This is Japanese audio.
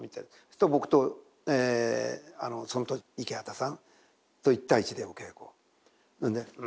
すると僕とその時池畑さんと１対１でお稽古なんで。